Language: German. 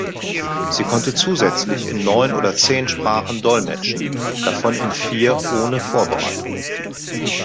Sie konnte zusätzlich in neun oder zehn Sprachen dolmetschen, davon in vier ohne Vorbereitung.